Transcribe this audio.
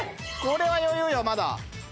これは余裕よまだ。